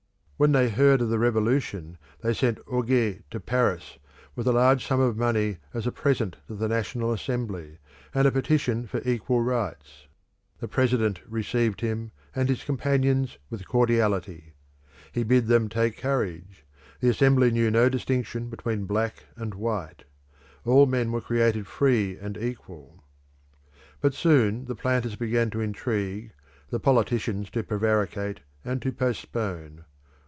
When they heard of the Revolution, they sent Ogé to Paris with a large sum of money as a present to the National Assembly, and a petition for equal rights. The president received him and his companions with cordiality: he bid them take courage; the Assembly knew no distinction between black and white; all men were created free and equal. But soon the planters began to intrigue, the politicians to prevaricate, and to postpone.